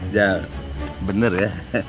jal bener ya